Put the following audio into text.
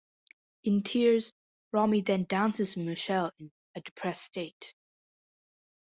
In tears, Romy then dances with Michele in a depressed state.